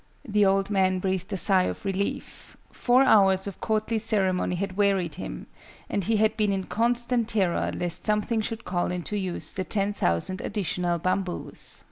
The old man breathed a sigh of relief; four hours of courtly ceremony had wearied him, and he had been in constant terror lest something should call into use the ten thousand additional bamboos.